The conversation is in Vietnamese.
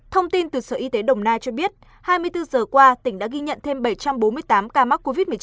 thông tin từ sở y tế đồng nai cho biết hai mươi bốn giờ qua tỉnh đã ghi nhận thêm bảy trăm bốn mươi tám ca mắc covid một mươi chín